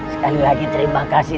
sekali lagi terima kasih